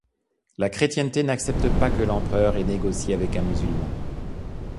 La chrétienté n'accepte pas que l'empereur ait négocié avec un musulman.